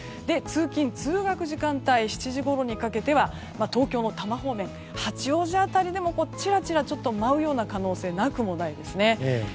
通勤・通学時間帯の７時ごろにかけては東京の多摩方面、八王子辺りでもちらちらと舞うような可能性がなくもないですね。